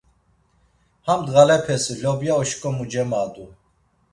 Ham ndğalepes lobya oşǩomu cemadu.